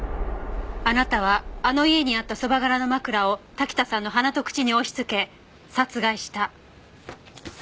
あなたはあの家にあったそば殻の枕を滝田さんの鼻と口に押しつけ殺害した。